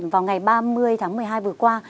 vào ngày ba mươi tháng một mươi hai vừa qua